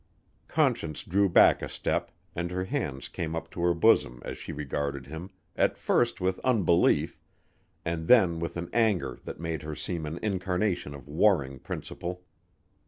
Conscience drew back a step and her hands came up to her bosom as she regarded him, at first with unbelief, and then with an anger that made her seem an incarnation of warring principle.